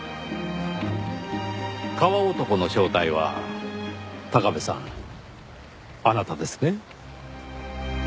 川男の正体は高部さんあなたですね。